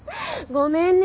ごめんね。